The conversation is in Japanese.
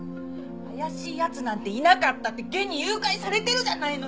怪しい奴なんていなかったって現に誘拐されてるじゃないのよ！